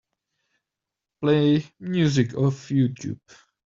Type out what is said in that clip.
Play music off Youtube.